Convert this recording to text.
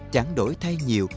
chẳng đổi thay nhiều